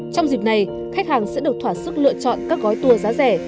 trong dịp này khách hàng sẽ được thỏa sức lựa chọn các gói tour giá rẻ